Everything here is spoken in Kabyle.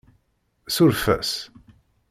Suref-as.